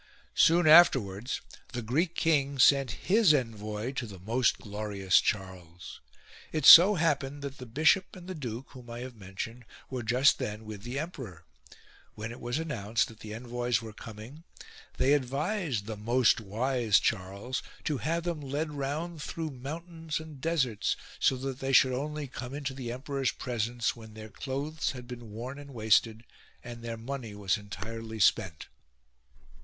Soon afterwards the Greek king sent his envoy to the most glorious Charles. It so happened that the bishop and the duke whom I have mentioned were just then with the emperor. When it was announced that the envoys were coming they advised the most 112 GREEK ENVOYS AND CHARLES wise Charles to have them led round through moun tains and deserts, so that they should only come into the emperor's presence when their clothes had been worn and wasted, and their money was entirely spent.